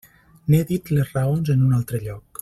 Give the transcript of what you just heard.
N'he dit les raons en un altre lloc.